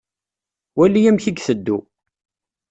Wali amek i iteddu.